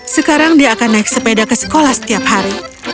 sekarang dia akan naik sepeda ke sekolah setiap hari